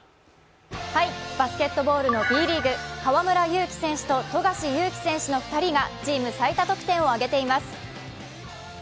バスケットボールのＤリーグ河村勇輝選手と富樫勇樹選手の２人がチーム最多得点を挙げています。